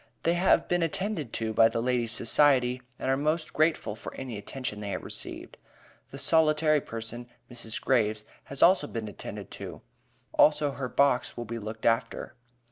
They have been attended to by the Ladies' Society, and are most grateful for any attention they have received. The solitary person, Mrs. Graves, has also been attended to; also her box will be looked after.